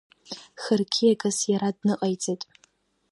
Хырқьиагас иара дныҟаиҵеит.